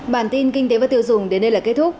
bản tin kinh tế và tiêu dùng đến đây là kết thúc